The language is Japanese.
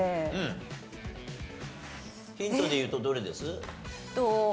ヒントでいうとどれです？